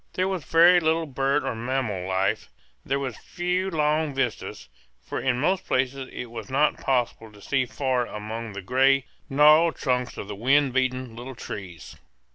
There was very little bird or mammal life; there were few long vistas, for in most places it was not possible to see far among the gray, gnarled trunks of the wind beaten little trees.